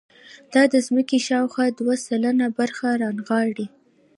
دا د ځمکې شاوخوا دوه سلنه برخه رانغاړي.